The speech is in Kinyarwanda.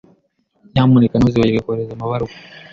Nyamuneka ntuzibagirwe kohereza amabaruwa.